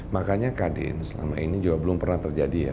makanya kadin selama ini juga belum pernah terjadi ya